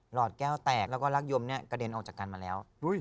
หอดแก้วแตกแล้วก็รักยมเนี่ยกระเด็นออกจากกันมาแล้ว